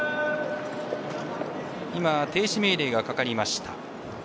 停止命令がかかりました。